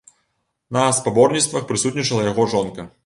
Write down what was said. На спаборніцтвах прысутнічала яго жонка.